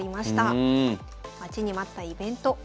待ちに待ったイベント。